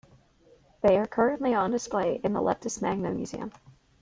They are currently on display in the Leptis Magna Museum.